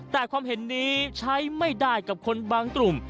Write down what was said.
แต่ความเห็นนี้ใช้ไม่ได้กับคนบางกลุ่ม